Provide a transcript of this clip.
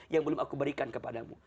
yang belum aku berikan kepadamu